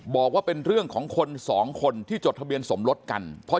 บอกว่าเป็นเรื่องของคนสองคนที่จดทะเบียนสมรสกัน